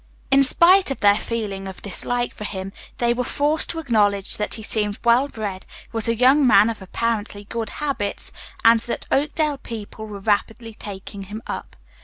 In spite of their feeling of dislike for him, they were forced to acknowledge that he seemed well bred, was a young man of apparently good habits and that Oakdale people were rapidly taking him up.